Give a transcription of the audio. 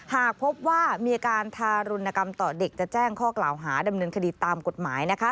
หากพบว่ามีอาการทารุณกรรมต่อเด็กจะแจ้งข้อกล่าวหาดำเนินคดีตามกฎหมาย